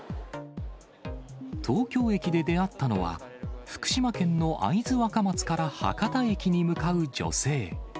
東京駅で出会ったのは、福島県の会津若松から博多駅に向かう女性。